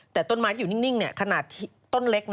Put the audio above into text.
แต่ต้นไม้ที่อยู่นิ่งขนาดต้นเล็ก